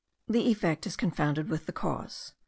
The effect is confounded with the cause.